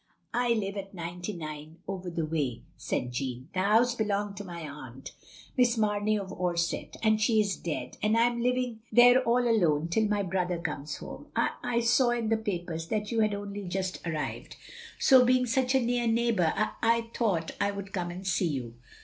"I live at 99, over the way," said Jeanne. "The house belonged to my aunt, Miss Mamey of Orsett, and she is dead, and I am living there all alone till my brother comes home. I — I saw in the papers that you had only just arrived — so being such a near neighbour, I — I thought "l would come and see you.